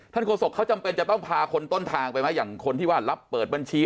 โฆษกเขาจำเป็นจะต้องพาคนต้นทางไปไหมอย่างคนที่ว่ารับเปิดบัญชี